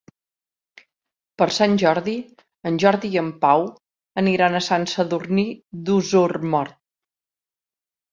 Per Sant Jordi en Jordi i en Pau aniran a Sant Sadurní d'Osormort.